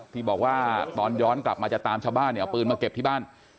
ที่บอกว่าตอนย้อนกลับมาจะตามชาวบ้านเนี่ยเอาปืนมาเก็บที่บ้าน